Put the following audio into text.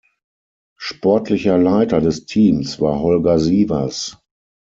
Sportlicher Leiter des Teams war Holger Sievers.